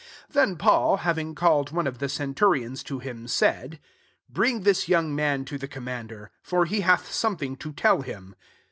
17 Then Paul, having called one of the centurions to him, said, '* Bring this young man to the com nrander : for he hath something to tell him."